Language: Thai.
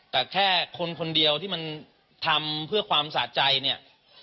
แต่แค่คนคนเดียวที่มันทำเพื่อความสะใจเนี่ย